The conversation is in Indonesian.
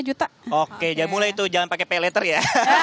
dua lima juta oke jangan pake peleter ya